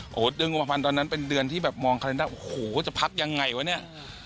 โอ้โหเดือนกุมภาพันธ์ตอนนั้นเป็นเดือนที่แบบมองใครได้โอ้โหจะพักยังไงวะเนี่ย